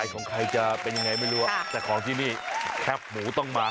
ของใครจะเป็นยังไงไม่รู้แต่ของที่นี่แคบหมูต้องมา